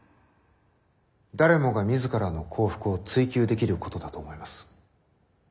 誰もが自らの幸福を追求できることだと思います。